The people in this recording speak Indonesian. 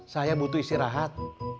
saya butuh istirahat